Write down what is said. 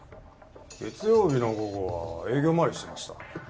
月曜日の午後は営業回りをしていました。